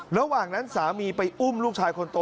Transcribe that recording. ระหว่างนั้นสามีไปอุ้มลูกชายคนโต